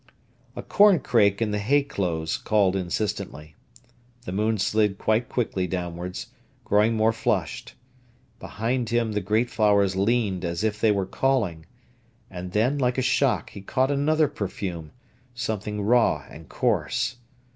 A corncrake in the hay close called insistently. The moon slid quite quickly downwards, growing more flushed. Behind him the great flowers leaned as if they were calling. And then, like a shock, he caught another perfume, something raw and coarse.